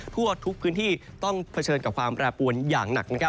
ทั่วทุกพื้นที่ต้องเผชิญกับความแปรปวนอย่างหนัก